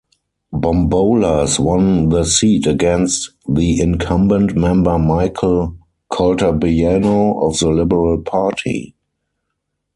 Bombolas won the seat against the incumbent member Michael Caltabiano of the Liberal Party.